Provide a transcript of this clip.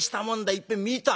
いっぺん見たよ。